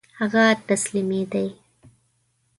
هغه تسلیمېدی.